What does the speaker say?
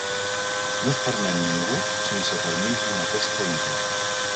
No es permet ningú sense permís en aquesta illa.